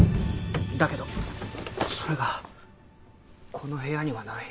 だけどそれがこの部屋にはない。